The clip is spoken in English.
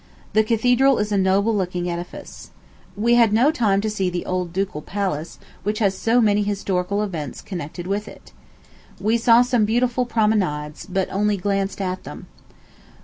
The Cathedral is a noble looking edifice. We had no time to see the old ducal palace, which has so many historical events connected with it. We saw some beautiful promenades, but only glanced at them.